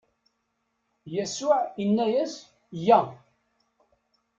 Yasuɛ inna-as: Yya!